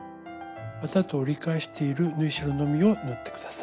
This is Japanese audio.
綿と折り返している縫い代のみを縫って下さい。